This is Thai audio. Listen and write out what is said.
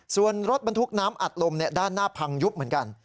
ส่วนรถบรรทุกน้ำอัดลมด้านหน้าพังยุบเหมือนกัน